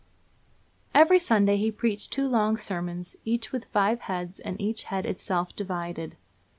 Every Sunday he preached two long sermons, each with five heads, and each head itself divided.